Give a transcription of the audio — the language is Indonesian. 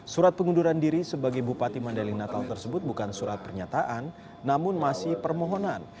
surat pengunduran diri sebagai bupati mandailing natal tersebut bukan surat pernyataan namun masih permohonan